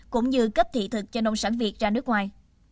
cũng như cấp thị thực cho nông sản việt ra nước ngoài